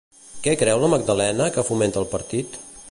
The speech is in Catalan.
Què creu la Magdalena que fomenta el partit?